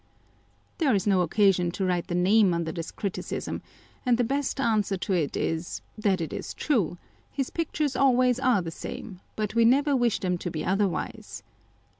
There is no occasion to write the name under this criticism, and the best answer to it is that it is true â€" his pictures always are the same, but we never wish them to be otherwise.